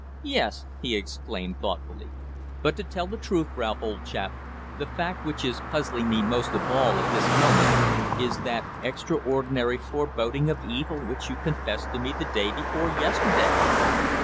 "Yes," he exclaimed, thoughtfully. "But to tell the truth, Ralph, old chap, the fact which is puzzling me most of all at this moment is that extraordinary foreboding of evil which you confessed to me the day before yesterday.